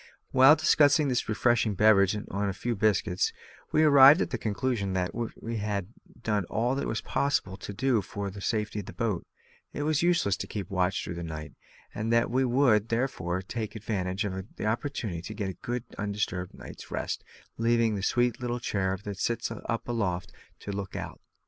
While discussing this refreshing beverage and a few biscuits, we arrived at the conclusion that as we had done all it was possible to do for the safety of the boat, it was useless to keep a watch through the night, and that we would, therefore, take advantage of the opportunity to get a good undisturbed night's rest, leaving the "sweet little cherub that sits up aloft" to look out.